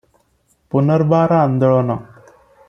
ପୁନର୍ବାର ଆନ୍ଦୋଳନ ।